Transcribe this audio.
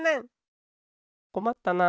こまったな。